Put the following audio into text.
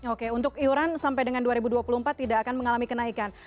oke untuk iuran sampai dengan dua ribu dua puluh empat tidak akan mengalami kenaikan